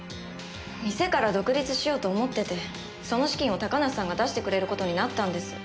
店から独立しようと思っててその資金を高梨さんが出してくれる事になったんです。